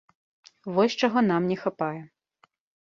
Вось чаго нам не хапае.